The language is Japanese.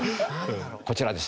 こちらです。